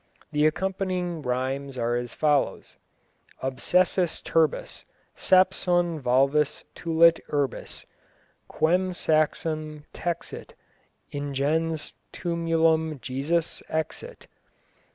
The accompanying rhymes are as follows: Obsessus turbis: Sampson valvas tulit urbis. Quem saxum texit: ingens tumulum Jesus exit.